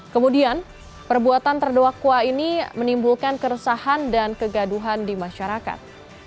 kemudian perbuatan terdakwa ini menimbulkan keresahan dan kegaduhan di masyarakat